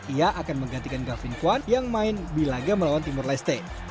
ia akan menggantikan gavin kwan yang main bilaga melawan timur leste